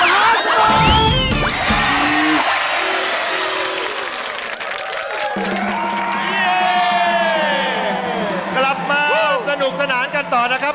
กลับมาสนุกสนานกันต่อนะครับ